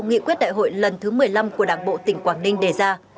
nghị quyết đại hội lần thứ một mươi năm của đảng bộ tỉnh quảng ninh đề ra